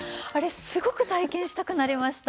すごく体験したくなりました。